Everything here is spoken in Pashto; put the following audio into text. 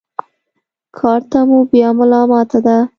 کار ته مو بيا ملا ماته ده.